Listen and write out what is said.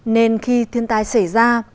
nên khi thiên tai xảy ra